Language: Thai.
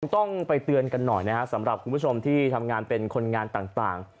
ต้องไปเตือนกันหน่อยนะครับสำหรับคุณผู้ชมที่ทำงานเป็นคนงานต่าง